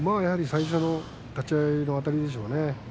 最初の立ち合いのあたりでしょうね。